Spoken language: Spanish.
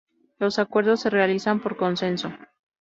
Los acuerdos se realizan por consenso.